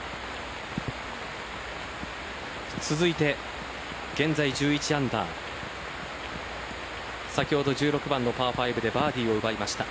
続いて現在１１アンダー先ほど、１６番のパー５でバーディーを奪いました。